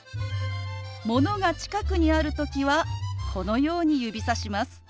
ものが近くにある時はこのように指さします。